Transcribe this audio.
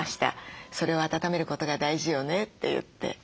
それを温めることが大事よねって言って。